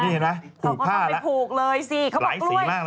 นี่เห็นไหมปลูกผ้าแล้วเขาก็เอาไปปลูกเลยสิ